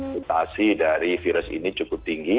mutasi dari virus ini cukup tinggi